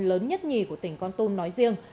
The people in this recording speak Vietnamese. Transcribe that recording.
lớn nhất nhì của tỉnh con tôn nói riêng